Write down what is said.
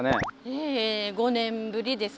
え５年ぶりですか？